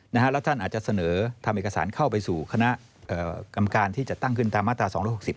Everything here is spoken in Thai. แล้วท่านอาจจะเสนอทำเอกสารเข้าไปสู่คณะกรรมการที่จะตั้งขึ้นตามมาตรา๒๖๐